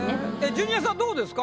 ジュニアさんどうですか？